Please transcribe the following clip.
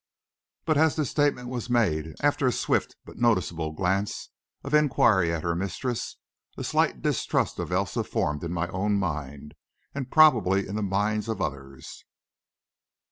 But as this statement was made after a swift but noticeable glance of inquiry at her mistress, a slight distrust of Elsa formed in my own mind, and probably in the minds of others.